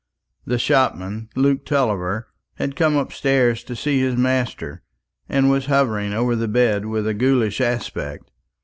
The shopman, Luke Tulliver, had come upstairs to see his master, and was hovering over the bed with a ghoulish aspect.